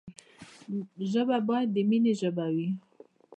ژبه باید د ميني ژبه وي.